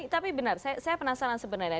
tapi benar saya penasaran sebenarnya